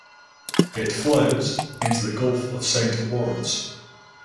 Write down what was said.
It flows into the Gulf of Saint Lawrence.